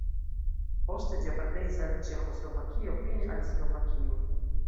Poste ĝi apartenis al Ĉeĥoslovakio, fine al Slovakio.